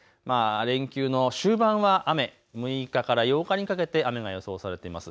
連休の終盤は雨、６日から８日にかけて雨が予想されています。